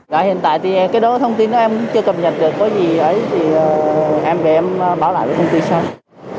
đợi hiện tại thì cái đó thông tin em chưa cập nhật được có gì ấy thì em để em báo lại với công ty sau